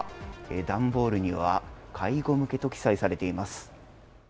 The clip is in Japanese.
ダンボールには介護向けと記載されています。